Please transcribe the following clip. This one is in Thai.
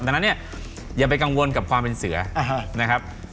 ดังนั้นเนี่ยอย่าไปกังวลกับความเป็นเสือนะครับ